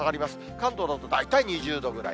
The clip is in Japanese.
関東など、大体２０度ぐらい。